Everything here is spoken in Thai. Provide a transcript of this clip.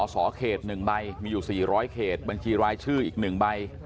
สอเขต๑ใบมีอยู่๔๐๐เขตบัญชีรายชื่ออีก๑ใบ